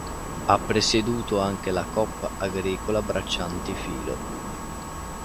Ha presieduto anche la Coop Agricola Braccianti Filo.